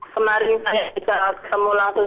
kemarin saya ketemu langsung